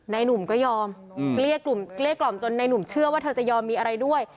ในนุ่มก็ยอมเกลี้ยกล่อมจนในนุ่มเชื่อว่าเธอยอมมีอะไรด้วย